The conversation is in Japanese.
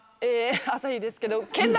朝日ですけど。